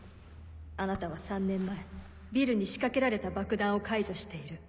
あなたは３年前ビルに仕掛けられた爆弾を解除している。